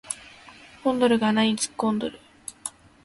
コンドルが穴に突っ込んどる